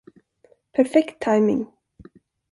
Perfekt timing!